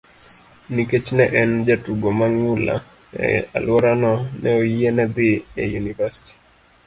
Nikech ne en jatugo mang'ula e alworano, ne oyiene dhi e yunivasiti.